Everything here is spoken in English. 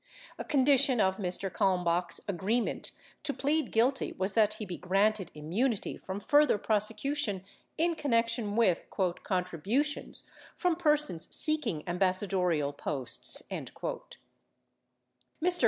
A condition of Mr. Kalmbach's agreement to plead guilty was that he be granted im munity from further prosecution in connection with "contributions 493 from persons seeking ambassadorial posts." Mr.